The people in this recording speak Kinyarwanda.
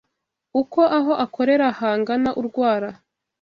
uko aho akorera hangana urwara